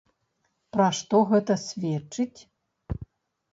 Пра што гэта сведчыць?